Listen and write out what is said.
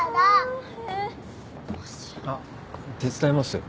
あっ手伝いますよ。